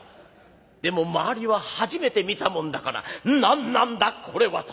でも周りは初めて見たもんだから『何なんだこれは』と。